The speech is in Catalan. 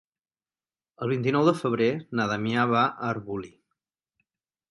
El vint-i-nou de febrer na Damià va a Arbolí.